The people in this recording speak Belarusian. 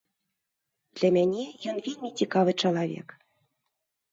Для мене ён вельмі цікавы чалавек.